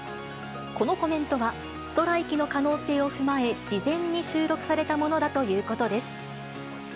このコメントは、ストライキの可能性を踏まえ、事前に収録されたものだということです。